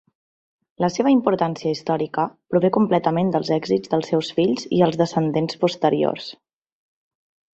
La seva importància històrica prové completament dels èxits dels seus fills i els descendents posteriors.